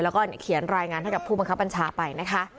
แล้วก็เขียนรายงานให้กับผู้บังคับบัญชาไปนะคะ